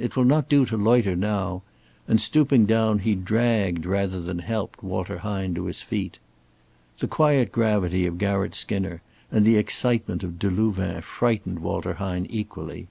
It will not do to loiter now," and stooping down, he dragged rather than helped Walter Hine to his feet. The quiet gravity of Garratt Skinner and the excitement of Delouvain frightened Walter Hine equally.